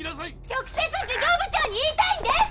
直接事業部長に言いたいんです！